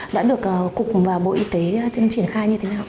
đã được cục và bộ y tế tiêm chủng khai như thế nào